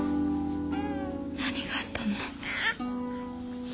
何があったの？